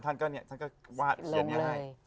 ท่านก็เนี่ยท่านก็วาดเขียนอย่างไร